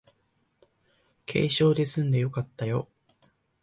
軽傷ですんでよかったよ